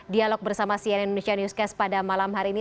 dialog bersama sian indonesia newscast pada malam hari ini